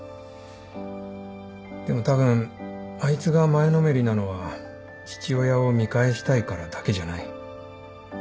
でもたぶんあいつが前のめりなのは父親を見返したいからだけじゃない。